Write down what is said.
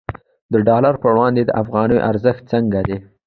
د ډالر پر وړاندې د افغانۍ ارزښت څنګه دی؟